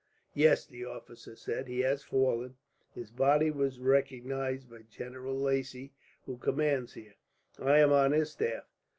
"Yes," the officer said, "he has fallen. His body was recognized by General Lacy, who commands here. I am on his staff.